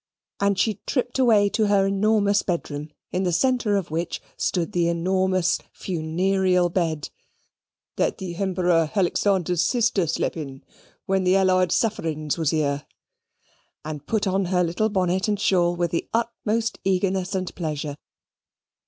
And she tripped away to her enormous bedroom, in the centre of which stood the enormous funereal bed, "that the Emperor Halixander's sister slep in when the allied sufferings was here," and put on her little bonnet and shawl with the utmost eagerness and pleasure.